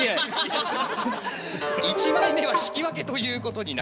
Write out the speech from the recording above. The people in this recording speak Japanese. １枚目は引き分けということに。